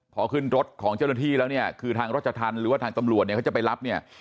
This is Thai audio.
พอขึ้นรถของเจ้าหน้าที่แล้วเนี่ยคือทางรัชธรรมหรือว่าทางตำรวจเนี่ยเขาจะไปรับเนี่ย